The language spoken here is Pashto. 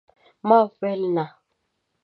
ما ويل ، نه !